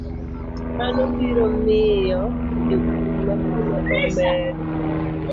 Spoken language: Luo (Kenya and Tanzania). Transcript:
Mano biro miyo jopur ma kuno omed